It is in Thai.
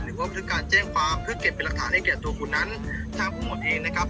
หรือว่าคือการเจ้งความเพื่อเก็บเป็นรักฐานให้เกี่ยวตัวคุณนั้นถ้าพูดหมดเองนะครับ